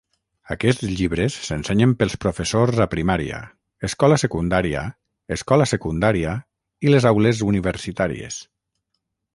Aquests llibres s'ensenyen pels professors a primària, escola secundària, escola secundària, i les aules universitàries.